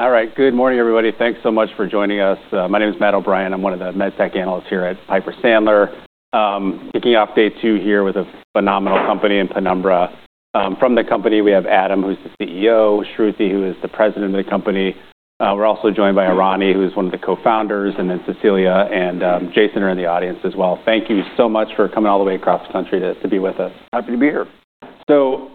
All right. Good morning, everybody. Thanks so much for joining us. My name is Matt O'Brien. I'm one of the med tech analysts here at Piper Sandler. Picking up day two here with a phenomenal company in Penumbra. From the company, we have Adam, who's the CEO. Shruthi, who is the president of the company. We're also joined by Arani, who is one of the co-founders, and then Cecilia and Jason are in the audience as well. Thank you so much for coming all the way across the country to be with us. Happy to be here. So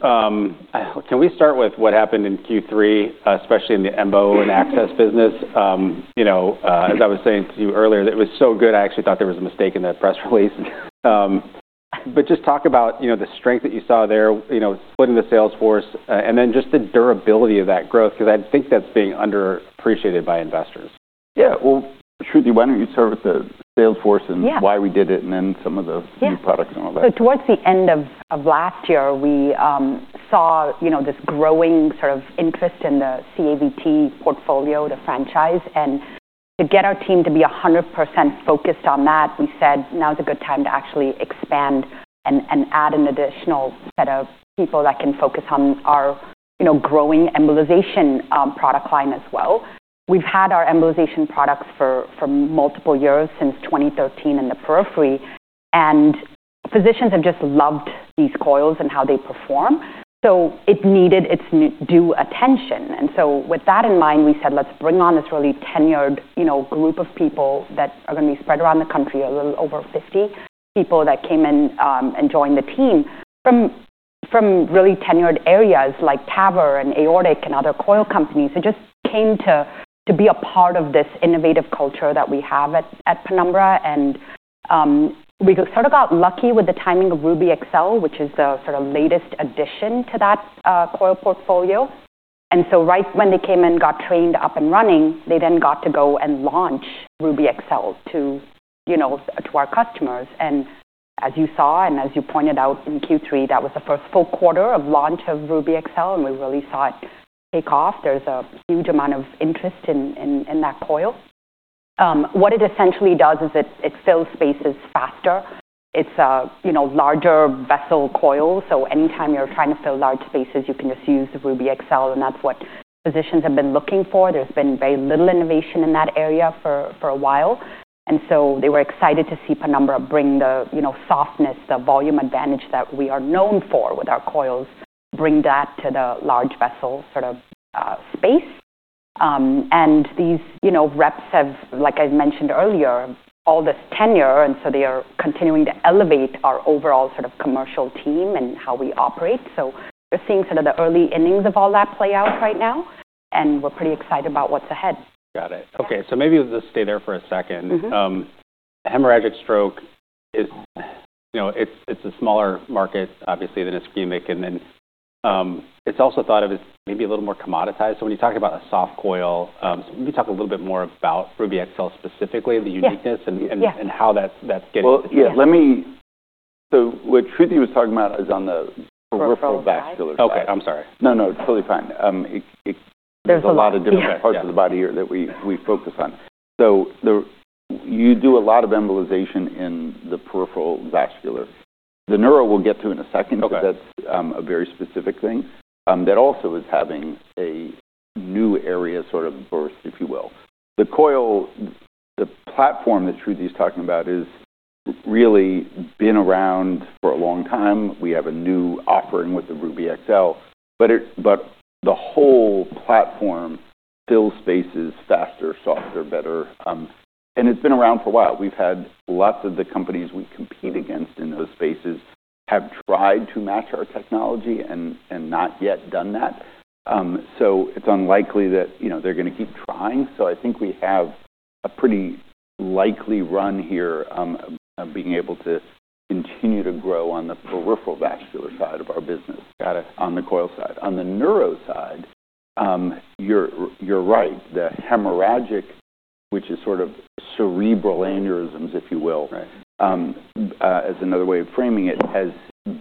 can we start with what happened in Q3, especially in the MO and access business? As I was saying to you earlier, it was so good. I actually thought there was a mistake in that press release. But just talk about the strength that you saw there, splitting the sales force, and then just the durability of that growth, because I think that's being underappreciated by investors. Yeah. Well, Shruthi, why don't you start with the Salesforce and why we did it, and then some of the new products and all that? So towards the end of last year, we saw this growing sort of interest in the CAVT portfolio, the franchise. And to get our team to be 100% focused on that, we said, "Now's a good time to actually expand and add an additional set of people that can focus on our growing embolization product line as well." We've had our embolization products for multiple years, since 2013 in the periphery. And physicians have just loved these coils and how they perform. So it needed its due attention. And so with that in mind, we said, "Let's bring on this really tenured group of people that are going to be spread around the country, a little over 50 people that came in and joined the team from really tenured areas like TAVR and aortic and other coil companies who just came to be a part of this innovative culture that we have at Penumbra." And we sort of got lucky with the timing of Ruby XL, which is the sort of latest addition to that coil portfolio. And as you saw, and as you pointed out in Q3, that was the first full quarter of launch of Ruby XL, and we really saw it take off. There's a huge amount of interest in that coil. What it essentially does is it fills spaces faster. It's a larger vessel coil. So anytime you're trying to fill large spaces, you can just use Ruby XL. And that's what physicians have been looking for. There's been very little innovation in that area for a while. And so they were excited to see Penumbra bring the softness, the volume advantage that we are known for with our coils, bring that to the large vessel sort of space. And these reps have, like I mentioned earlier, all this tenure. And so they are continuing to elevate our overall sort of commercial team and how we operate. So we're seeing sort of the early innings of all that play out right now. And we're pretty excited about what's ahead. Got it. Okay. So maybe we'll just stay there for a second. Hemorrhagic stroke, it's a smaller market, obviously, than ischemic. And then it's also thought of as maybe a little more commoditized. So when you talk about a soft coil, can you talk a little bit more about Ruby XL specifically, the uniqueness, and how that's getting? Yeah. What Shruthi was talking about is on the peripheral vascular side. Okay. I'm sorry. No, no. Totally fine. There's a lot of different parts of the body here that we focus on. So you do a lot of embolization in the peripheral vascular. The neuro we'll get to in a second, but that's a very specific thing that also is having a new area sort of birth, if you will. The platform that Shruthi's talking about has really been around for a long time. We have a new offering with the Ruby XL. But the whole platform fills spaces faster, softer, better. And it's been around for a while. We've had lots of the companies we compete against in those spaces have tried to match our technology and not yet done that. So it's unlikely that they're going to keep trying. So I think we have a pretty likely run here of being able to continue to grow on the peripheral vascular side of our business on the coil side. On the neuro side, you're right. The hemorrhagic, which is sort of cerebral aneurysms, if you will, as another way of framing it, has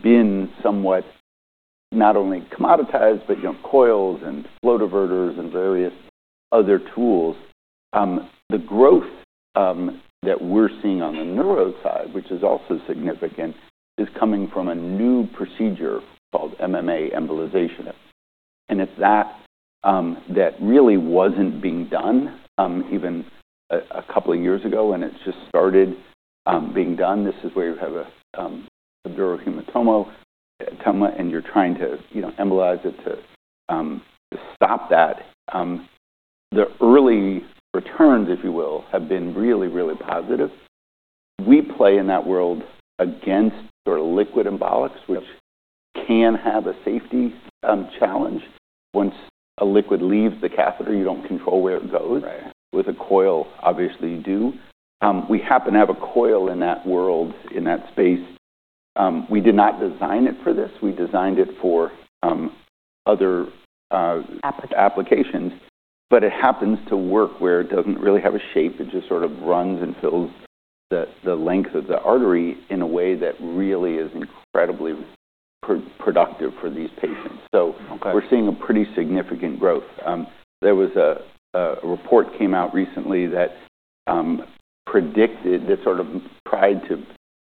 been somewhat not only commoditized, but coils and flow diverters and various other tools. The growth that we're seeing on the neuro side, which is also significant, is coming from a new procedure called MMA embolization. And it's that that really wasn't being done even a couple of years ago, and it's just started being done. This is where you have a dural hematoma, and you're trying to embolize it to stop that. The early returns, if you will, have been really, really positive. We play in that world against sort of liquid embolics, which can have a safety challenge. Once a liquid leaves the catheter, you don't control where it goes. With a coil, obviously, you do. We happen to have a coil in that world, in that space. We did not design it for this. We designed it for other applications. But it happens to work where it doesn't really have a shape. It just sort of runs and fills the length of the artery in a way that really is incredibly productive for these patients. So we're seeing a pretty significant growth. There was a report that came out recently that predicted that sort of prior to,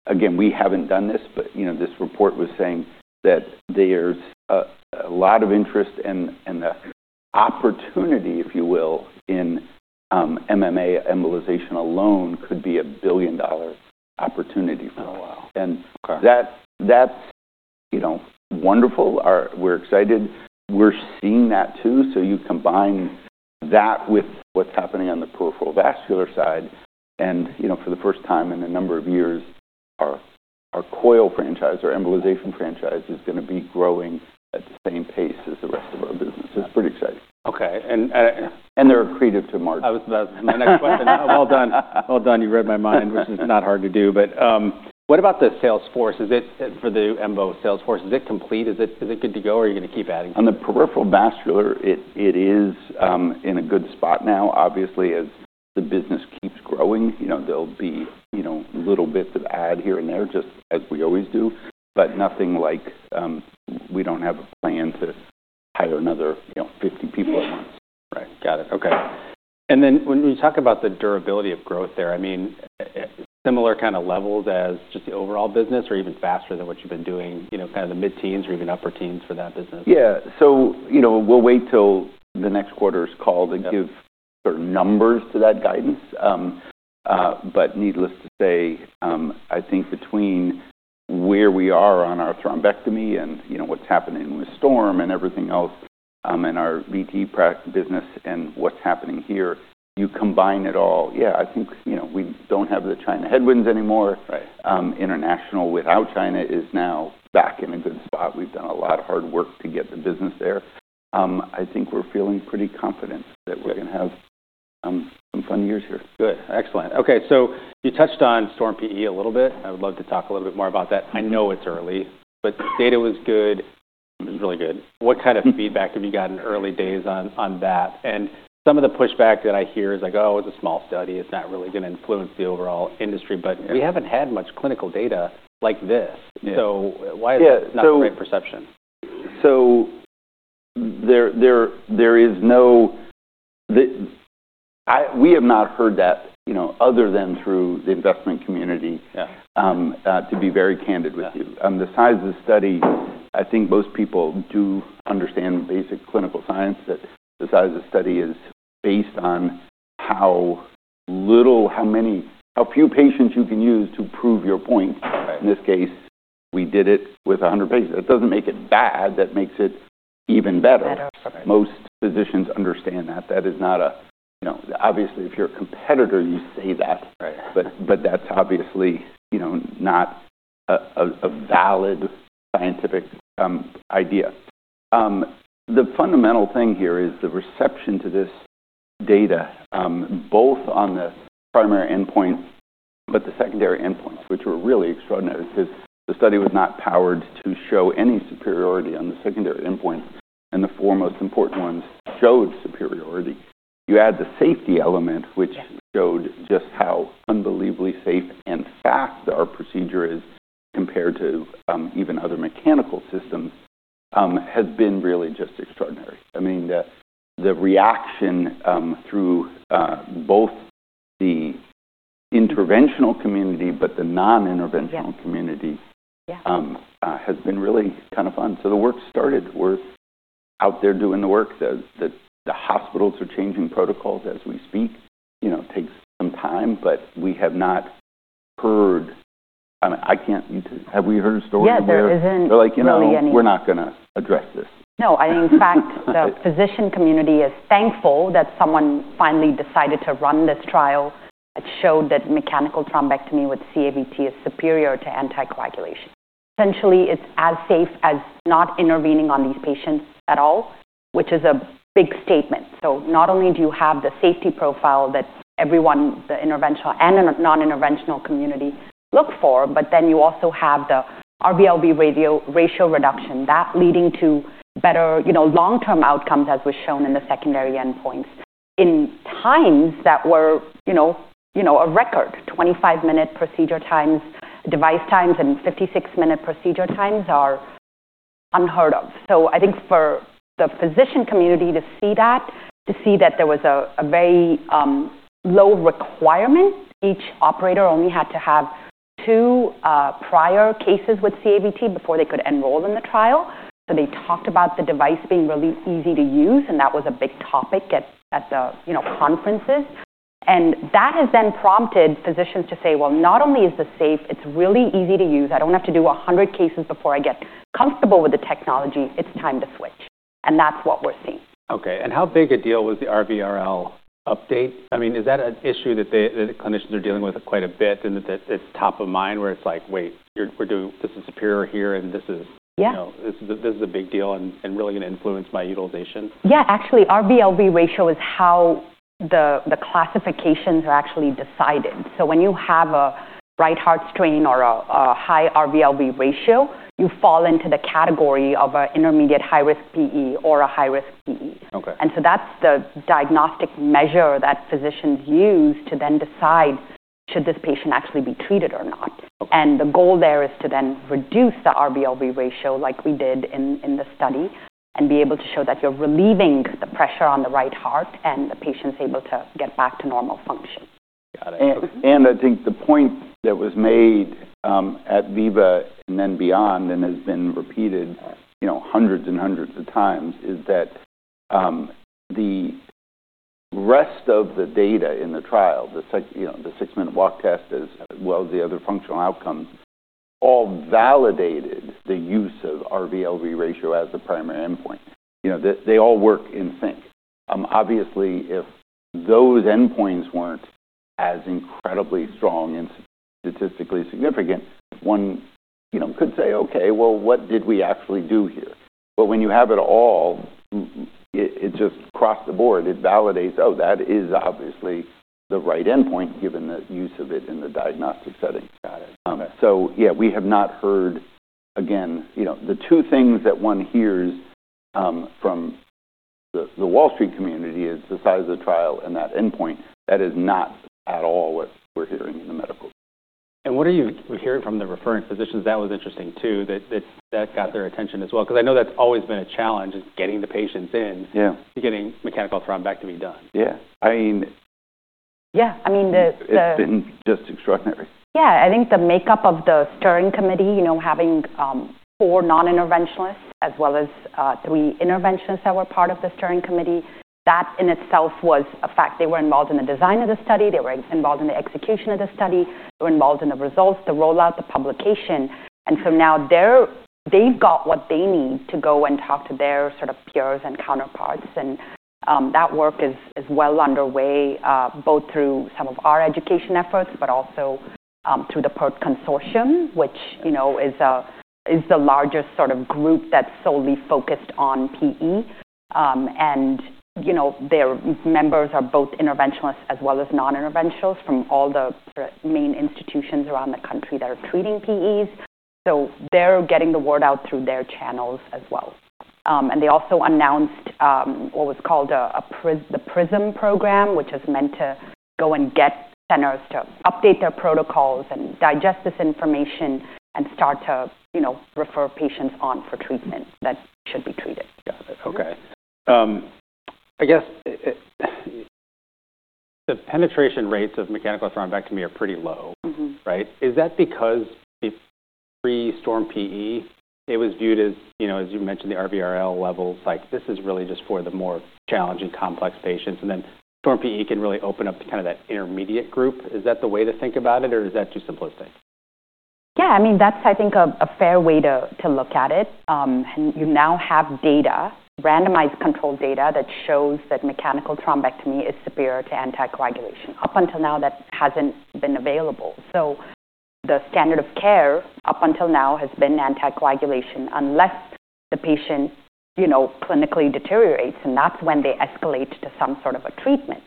again, we haven't done this, but this report was saying that there's a lot of interest, and the opportunity, if you will, in MMA embolization alone could be a $1 billion opportunity. Oh, wow. That's wonderful. We're excited. We're seeing that too. You combine that with what's happening on the peripheral vascular side, and for the first time in a number of years, our coil franchise, our embolization franchise, is going to be growing at the same pace as the rest of our business. It's pretty exciting. Okay. And. They're accretive to margin. That was my next question. Well done. Well done. You read my mind, which is not hard to do. But what about the sales force? For the MO sales force, is it complete? Is it good to go? Or are you going to keep adding? On the peripheral vascular, it is in a good spot now, obviously, as the business keeps growing. There'll be little bits of add here and there, just as we always do. But nothing like we don't have a plan to hire another 50 people at once. Right. Got it. Okay. And then when you talk about the durability of growth there, I mean, similar kind of levels as just the overall business or even faster than what you've been doing, kind of the mid-teens or even upper teens for that business? Yeah. So we'll wait till the next quarter's call to give sort of numbers to that guidance. But needless to say, I think between where we are on our thrombectomy and what's happening with STORM and everything else in our VT business and what's happening here, you combine it all, yeah, I think we don't have the China headwinds anymore. International without China is now back in a good spot. We've done a lot of hard work to get the business there. I think we're feeling pretty confident that we're going to have some fun years here. Good. Excellent. Okay. So you touched on STORM-PE a little bit. I would love to talk a little bit more about that. I know it's early, but data was good. It was really good. What kind of feedback have you gotten in early days on that? And some of the pushback that I hear is like, "Oh, it's a small study. It's not really going to influence the overall industry." But we haven't had much clinical data like this. So why is it not the right perception? So there is no, we have not heard that other than through the investment community, to be very candid with you. On the size of the study, I think most people do understand basic clinical science that the size of the study is based on how little, how many, how few patients you can use to prove your point. In this case, we did it with 100 patients. That doesn't make it bad. That makes it even better. Most physicians understand that. That is not, obviously, if you're a competitor, you say that. But that's obviously not a valid scientific idea. The fundamental thing here is the reception to this data, both on the primary endpoint but the secondary endpoints, which were really extraordinary because the study was not powered to show any superiority on the secondary endpoint. The four most important ones showed superiority. You add the safety element, which showed just how unbelievably safe and fast our procedure is compared to even other mechanical systems, has been really just extraordinary. I mean, the reaction through both the interventional community but the non-interventional community has been really kind of fun. So the work started. We're out there doing the work. The hospitals are changing protocols as we speak. It takes some time, but we have not heard. I mean, a story where they're like, "We're not going to address this. No. In fact, the physician community is thankful that someone finally decided to run this trial that showed that mechanical thrombectomy with CAVT is superior to anticoagulation. Essentially, it's as safe as not intervening on these patients at all, which is a big statement. So not only do you have the safety profile that everyone, the interventional and non-interventional community look for, but then you also have the RV/LV ratio reduction, that leading to better long-term outcomes, as was shown in the secondary endpoints in times that were a record. 25-minute procedure times, device times, and 56-minute procedure times are unheard of. So I think for the physician community to see that, to see that there was a very low requirement, each operator only had to have 2 prior cases with CAVT before they could enroll in the trial. They talked about the device being really easy to use, and that was a big topic at the conferences. That has then prompted physicians to say, "Well, not only is this safe, it's really easy to use. I don't have to do 100 cases before I get comfortable with the technology. It's time to switch." That's what we're seeing. Okay. And how big a deal was the RV/LV update? I mean, is that an issue that clinicians are dealing with quite a bit and that it's top of mind where it's like, "Wait, this is superior here, and this is a big deal and really going to influence my utilization"? Yeah. Actually, RV/LV ratio is how the classifications are actually decided. So when you have a right heart strain or a high RV/LV ratio, you fall into the category of an intermediate high-risk PE or a high-risk PE. And so that's the diagnostic measure that physicians use to then decide should this patient actually be treated or not. And the goal there is to then reduce the RV/LV ratio like we did in the study and be able to show that you're relieving the pressure on the right heart, and the patient's able to get back to normal function. I think the point that was made at VIVA and then beyond and has been repeated hundreds and hundreds of times is that the rest of the data in the trial, the six-minute walk test as well as the other functional outcomes, all validated the use of RV/LV ratio as the primary endpoint. They all work in sync. Obviously, if those endpoints weren't as incredibly strong and statistically significant, one could say, "Okay. Well, what did we actually do here?" But when you have it all, it just across the board. It validates, "Oh, that is obviously the right endpoint given the use of it in the diagnostic setting." So yeah, we have not heard, again, the 2 things that one hears from the Wall Street community is the size of the trial and that endpoint. That is not at all what we're hearing in the medical. And what are you hearing from the referring physicians? That was interesting too, that that got their attention as well. Because I know that's always been a challenge, is getting the patients in to getting mechanical thrombectomy done. Yeah. I mean. Yeah. I mean, the. It's been just extraordinary. Yeah. I think the makeup of the STORM committee, having four non-interventionalists as well as three interventionalists that were part of the STORM committee, that in itself was a factor. They were involved in the design of the study. They were involved in the execution of the study. They were involved in the results, the rollout, the publication. And so now they've got what they need to go and talk to their sort of peers and counterparts. And that work is well underway, both through some of our education efforts but also through the PERT Consortium, which is the largest sort of group that's solely focused on PE. And their members are both interventionalists as well as non-interventionalists from all the main institutions around the country that are treating PEs. So they're getting the word out through their channels as well. They also announced what was called the PRISM program, which is meant to go and get centers to update their protocols and digest this information and start to refer patients on for treatment that should be treated. Got it. Okay. I guess the penetration rates of mechanical thrombectomy are pretty low, right? Is that because pre-STORM PE, it was viewed as, as you mentioned, the RV/LV levels, like, "This is really just for the more challenging, complex patients," and then STORM PE can really open up to kind of that intermediate group? Is that the way to think about it, or is that too simplistic? Yeah. I mean, that's, I think, a fair way to look at it. And you now have data, randomized control data, that shows that mechanical thrombectomy is superior to anticoagulation. Up until now, that hasn't been available. So the standard of care up until now has been anticoagulation unless the patient clinically deteriorates, and that's when they escalate to some sort of a treatment.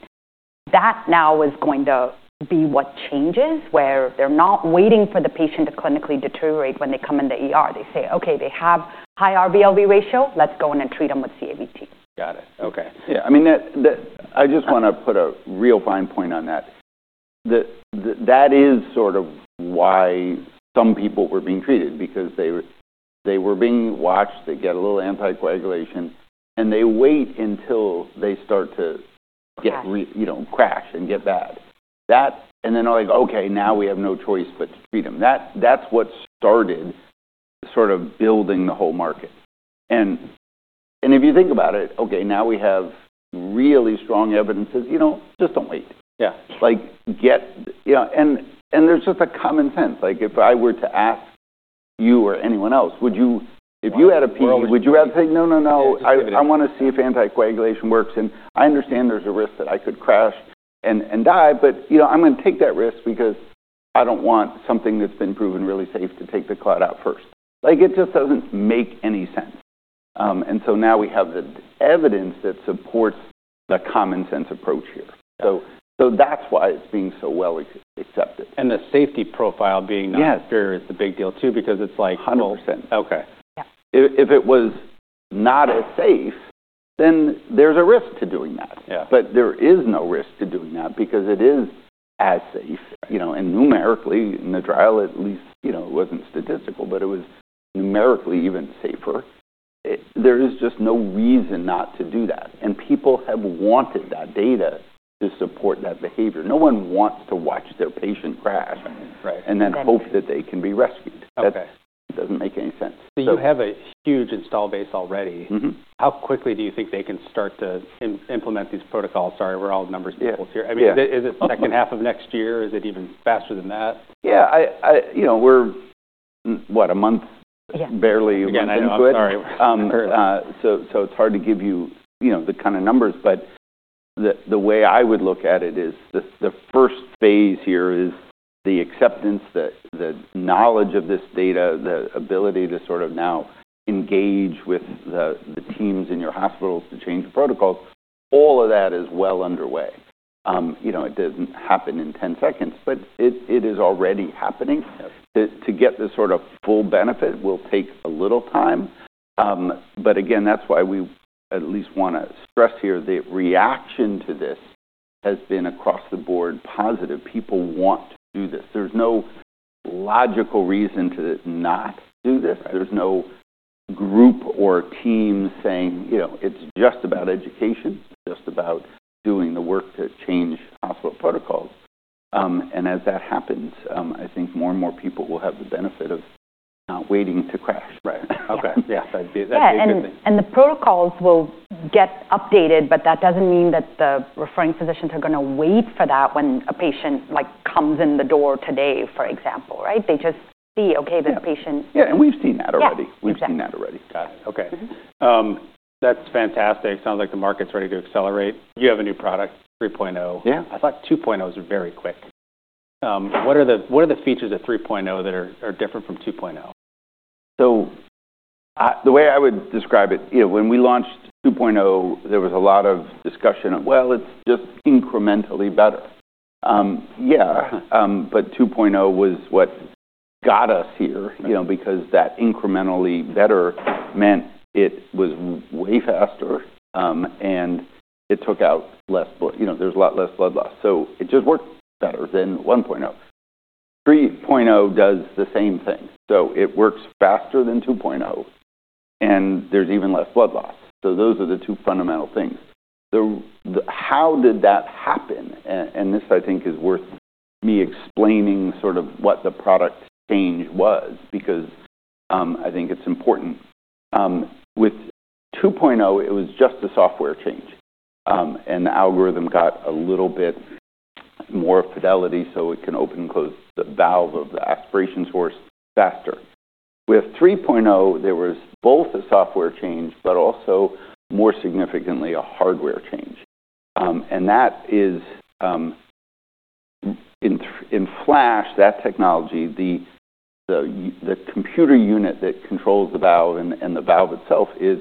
That now is going to be what changes, where they're not waiting for the patient to clinically deteriorate when they come in. They say, "Okay. They have high RV/LV ratio. Let's go in and treat them with CAVT. Got it. Okay. Yeah. I mean, I just want to put a real fine point on that. That is sort of why some people were being treated, because they were being watched. They get a little anticoagulation, and they wait until they start to crash and get bad. And then they're like, "Okay. Now we have no choice but to treat them." That's what started sort of building the whole market. And if you think about it, okay, now we have really strong evidence, it's just don't wait. And there's just a common sense. If I were to ask you or anyone else, if you had a PE, would you rather say, "No, no, no. I want to see if anticoagulation works. And I understand there's a risk that I could crash and die, but I'm going to take that risk because I don't want something that's been proven really safe to take the clot out first. It just doesn't make any sense. And so now we have the evidence that supports the common-sense approach here. So that's why it's being so well accepted. The safety profile being not superior is the big deal too because it's like. 100%. Okay. If it was not as safe, then there's a risk to doing that. But there is no risk to doing that because it is as safe. And numerically, in the trial, at least it wasn't statistical, but it was numerically even safer. There is just no reason not to do that. And people have wanted that data to support that behavior. No one wants to watch their patient crash and then hope that they can be rescued. That doesn't make any sense. So you have a huge install base already. How quickly do you think they can start to implement these protocols? Sorry, we're all numbers people here. I mean, is it second half of next year? Is it even faster than that? Yeah. We're, what, barely a month into it. Yeah. I'm sorry. So it's hard to give you the kind of numbers. But the way I would look at it is the first phase here is the acceptance, the knowledge of this data, the ability to sort of now engage with the teams in your hospitals to change the protocols. All of that is well underway. It doesn't happen in 10 seconds, but it is already happening. To get this sort of full benefit will take a little time. But again, that's why we at least want to stress here that reaction to this has been across the board positive. People want to do this. There's no logical reason to not do this. There's no group or team saying, "It's just about education. It's just about doing the work to change hospital protocols." And as that happens, I think more and more people will have the benefit of not waiting to crash. Right. Okay. Yeah. That's interesting. And the protocols will get updated, but that doesn't mean that the referring physicians are going to wait for that when a patient comes in the door today, for example, right? They just see, "Okay. This patient. Yeah. And we've seen that already. We've seen that already. Got it. Okay. That's fantastic. Sounds like the market's ready to accelerate. You have a new product, 3.0. I thought 2.0 was very quick. What are the features of 3.0 that are different from 2.0? So the way I would describe it, when we launched 2.0, there was a lot of discussion, "Well, it's just incrementally better." Yeah. But 2.0 was what got us here because that incrementally better meant it was way faster, and it took out less blood. There's a lot less blood loss. So it just worked better than 1.0. 3.0 does the same thing. So it works faster than 2.0, and there's even less blood loss. So those are the 2 fundamental things. How did that happen? And this, I think, is worth me explaining sort of what the product change was because I think it's important. With 2.0, it was just a software change, and the algorithm got a little bit more fidelity so it can open and close the valve of the aspiration source faster. With 3.0, there was both a software change, but also, more significantly, a hardware change, and that is in Flash, that technology, the computer unit that controls the valve and the valve itself is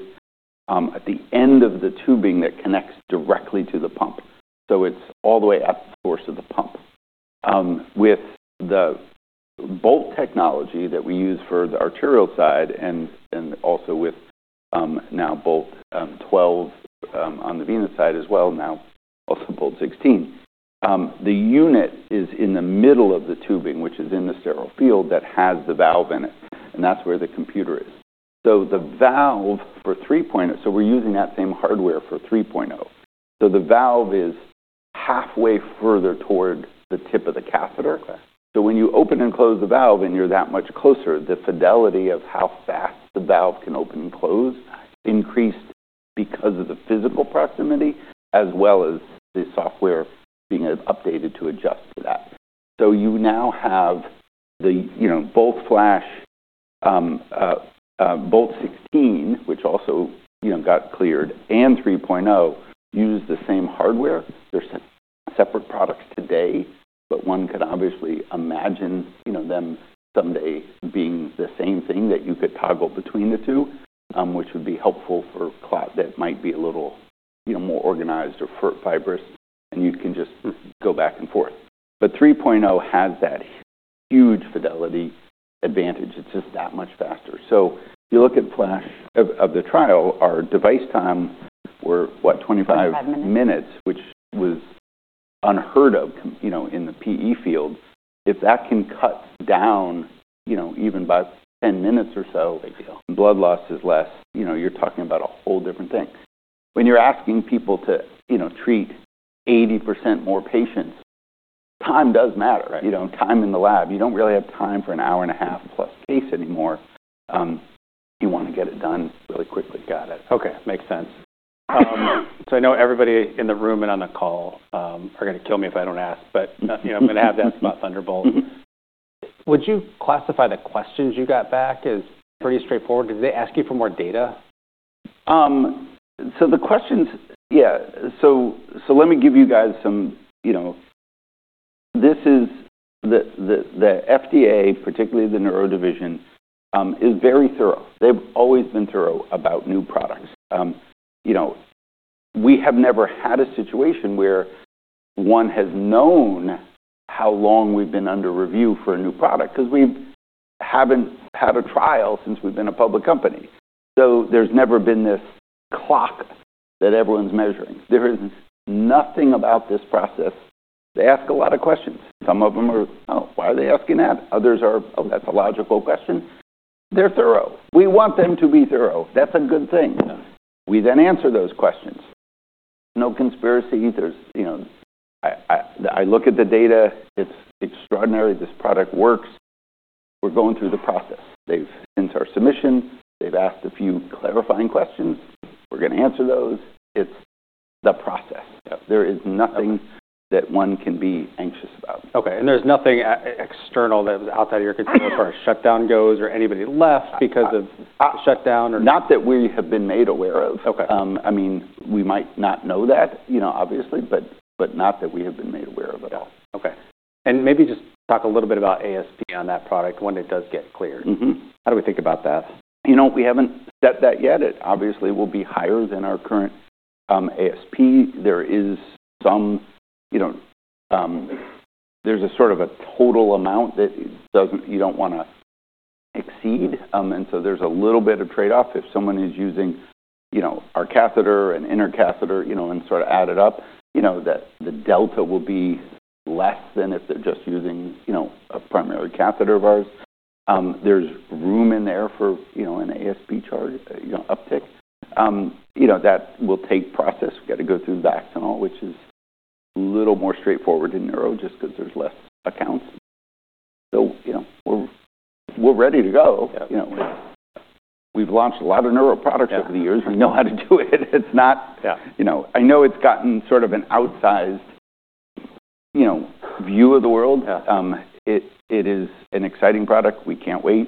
at the end of the tubing that connects directly to the pump, so it's all the way at the source of the pump. With the Bolt technology that we use for the arterial side and also with now Bolt 12 on the venous side as well, now also Bolt 16, the unit is in the middle of the tubing, which is in the sterile field that has the valve in it, and that's where the computer is, so the valve for 3.0, so we're using that same hardware for 3.0, so the valve is halfway further toward the tip of the catheter. So when you open and close the valve and you're that much closer, the fidelity of how fast the valve can open and close increased because of the physical proximity as well as the software being updated to adjust to that. So you now have the Bolt, Flash, Bolt 16, which also got cleared, and 3.0 use the same hardware. There's separate products today, but one could obviously imagine them someday being the same thing that you could toggle between the 2, which would be helpful for clot that might be a little more organized or fibrous, and you can just go back and forth. But 3.0 has that huge fidelity advantage. It's just that much faster. So if you look at Flash of the trial, our device time were, what, 25. 25 minutes. Minutes, which was unheard of in the PE field. If that can cut down even by 10 minutes or so, blood loss is less. You're talking about a whole different thing. When you're asking people to treat 80% more patients, time does matter. Time in the lab. You don't really have time for an hour and a half plus case anymore. You want to get it done really quickly. Got it. Okay. Makes sense. So I know everybody in the room and on the call are going to kill me if I don't ask, but I'm going to have to ask about Thunderbolt. Would you classify the questions you got back as pretty straightforward? Did they ask you for more data? The questions, yeah. Let me give you guys some. This is the FDA, particularly the neuro division, is very thorough. They've always been thorough about new products. We have never had a situation where one has known how long we've been under review for a new product because we haven't had a trial since we've been a public company. So there's never been this clock that everyone's measuring. There is nothing about this process. They ask a lot of questions. Some of them are, "Oh, why are they asking that?" Others are, "Oh, that's a logical question." They're thorough. We want them to be thorough. That's a good thing. We then answer those questions. No conspiracy. I look at the data. It's extraordinary. This product works. We're going through the process. They've sent our submission. They've asked a few clarifying questions. We're going to answer those. It's the process. There is nothing that one can be anxious about. Okay, and there's nothing external that was outside of your control as far as shutdown goes or anybody left because of shutdown or. Not that we have been made aware of. I mean, we might not know that, obviously, but not that we have been made aware of at all. Okay. And maybe just talk a little bit about ASP on that product when it does get cleared. How do we think about that? We haven't set that yet. It obviously will be higher than our current ASP. There is some sort of a total amount that you don't want to exceed. And so there's a little bit of trade-off. If someone is using our catheter and inner catheter and sort of add it up, the delta will be less than if they're just using a primary catheter of ours. There's room in there for an ASP charge, uptick. That will take process. We've got to go through the approval, which is a little more straightforward in neuro just because there's less accounts. So we're ready to go. We've launched a lot of neuro products over the years. We know how to do it. I know it's gotten sort of an outsized view of the world. It is an exciting product. We can't wait.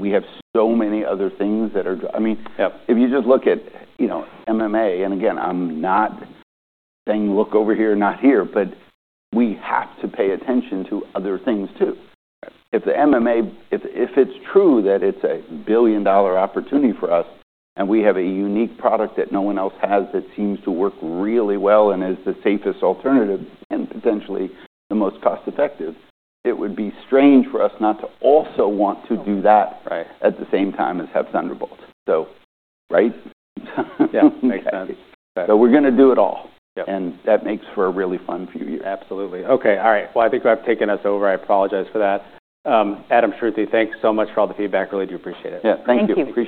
We have so many other things that are I mean, if you just look at MMA, and again, I'm not saying, "Look over here, not here," but we have to pay attention to other things too. If the MMA, if it's true that it's a $1 billion opportunity for us and we have a unique product that no one else has that seems to work really well and is the safest alternative and potentially the most cost-effective, it would be strange for us not to also want to do that at the same time as have Thunderbolt. So. Right? Yeah. Makes sense. But we're going to do it all. And that makes for a really fun few years. Absolutely. Okay. All right. Well, I think you have taken us over. I apologize for that. Adam, Shruthi, thanks so much for all the feedback. Really do appreciate it. Yeah. Thank you. Thank you.